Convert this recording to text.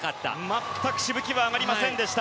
全くしぶきは上がりませんでした。